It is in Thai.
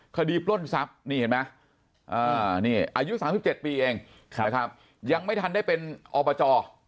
คดีปล้นทรัพย์นี่เห็นไหมอายุ๓๗ปีเองยังไม่ทันได้เป็นออบจ